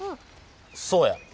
そうや。